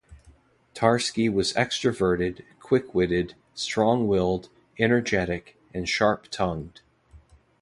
Tarski was extroverted, quick-witted, strong-willed, energetic, and sharp-tongued.